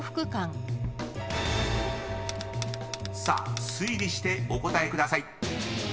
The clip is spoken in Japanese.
［さあ推理してお答えください］